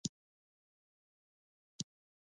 ځوانانو ته پکار ده چې، افراطیت مخنیوی وکړي.